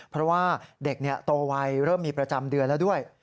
เพราะว่าเด็กโตวัยเริ่มมีประจำเดือนแล้วด้วย